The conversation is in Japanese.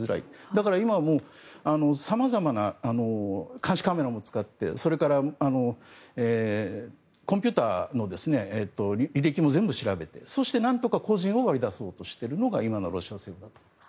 だから今は、さまざまな監視カメラも使ってそれから、コンピューターの履歴も全部調べてそして、何とか個人を割り出そうとしているのが今のロシア政府だと思います。